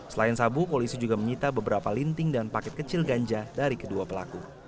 selain sabu polisi juga menyita beberapa linting dan paket kecil ganja dari kedua pelaku